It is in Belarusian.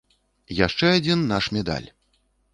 Яшчэ адзін наш медаль!